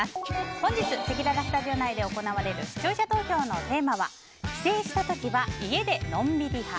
本日せきららスタジオ内で行われる視聴者投票のテーマは帰省した時は家でのんびり派？